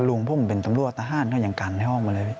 ลูงพองคุณเป็นตำรวจทหารเขายังกันอยู่มาห้อง